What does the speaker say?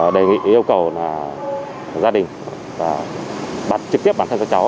đề nghị yêu cầu gia đình trực tiếp bản thân cho cháu